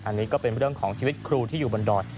อันนี้ก็เป็นเรื่องของชีวิตครูที่อยู่บนดอย